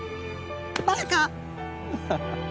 バカ！